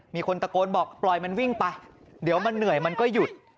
มีคนตะโกนบอกปล่อยมันวิ่งไปเดี๋ยวมันเหนื่อยมันก็หยุด